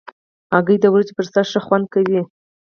هګۍ د وریجو پر سر ښه خوند کوي.